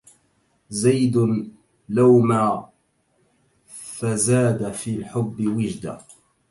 زيد لوما فزاد في الحب وجدا